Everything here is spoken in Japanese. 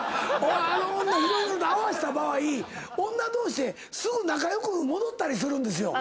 あの女ひどいよと合わせた場合女同士ってすぐ仲良く戻ったりするんですよ。